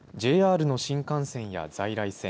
ＪＲの新幹線や在来線